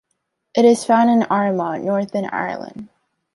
It is found in Armagh, Northern Ireland.